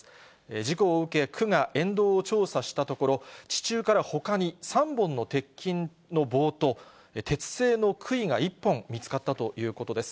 事故を受け、区が園道を調査したところ、地中からほかに３本の鉄筋の棒と、鉄製のくいが１本見つかったということです。